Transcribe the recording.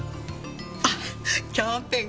あっキャンペーン